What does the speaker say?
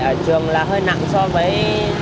ở trường là hơi nặng so với